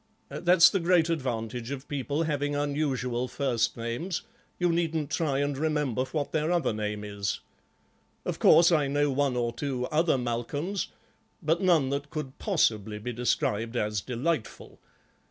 That's the great advantage of people having unusual first names, you needn't try and remember what their other name is. Of course I know one or two other Malcolms, but none that could possibly be described as delightful.